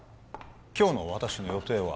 今日の私の予定は？